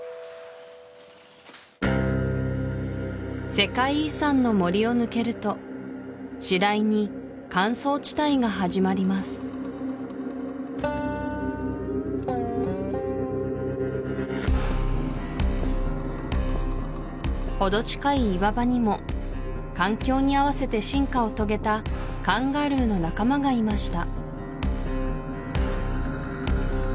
世界遺産の森を抜けると次第に乾燥地帯が始まりますほど近い岩場にも環境に合わせて進化を遂げたカンガルーの仲間がいました